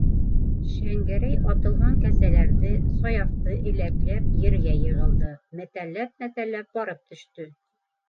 Шәңгәрәй «атылған» кәзәләрҙе, Саяфты әләкләп ергә йығылды, мәтәлләп-мәтәлләп барып төштө.